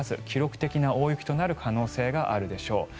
記録的な大雪となる可能性があるでしょう。